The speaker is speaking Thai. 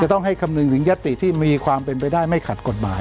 ต้องให้คำนึงถึงยัตติที่มีความเป็นไปได้ไม่ขัดกฎหมาย